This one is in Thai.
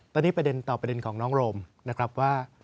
ตอนนี้ประเด็นต่อประเด็นของน้องโรมนะครับว่า